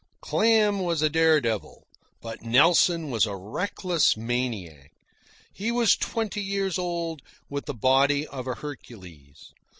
Clam was a dare devil, but Nelson was a reckless maniac. He was twenty years old, with the body of a Hercules.